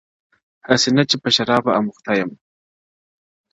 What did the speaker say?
هسي نه چي په شرابو اموخته سم,